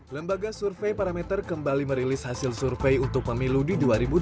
lembaga survei parameter kembali merilis hasil survei untuk pemilu di dua ribu dua puluh